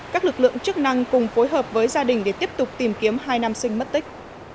các lực lượng chức năng cùng phối hợp với gia đình để tiếp tục tìm kiếm hai nam sinh mất tích